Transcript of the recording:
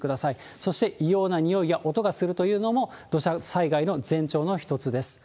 そして、異様なにおいや音がするというのも、土砂災害の前兆の一つです。